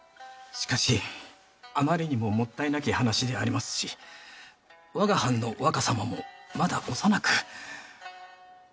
しかしあまりにももったいなき話でありますし我が藩の若様もまだ幼く。